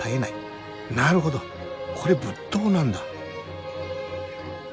なるほどこれ仏塔なんだ。